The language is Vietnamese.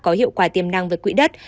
có hiệu quả tiềm năng với quỹ đất